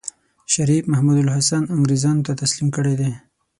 شريف محمودالحسن انګرېزانو ته تسليم کړی دی.